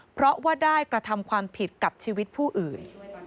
เพราะว่าได้กระทำความผิดกับชีวิตผู้อื่น